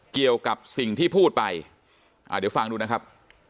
เกี่ยวกับสิ่งที่พูดไปอ่าเดี๋ยวฟังดูนะครับ